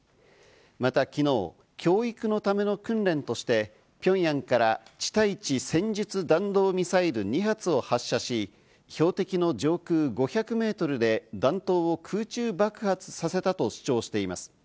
また昨日、教育のための訓練として、ピョンヤンから地対地戦術弾道ミサイル２発を発射し、標的の上空５００メートルで弾頭を空中爆発させたと主張しています。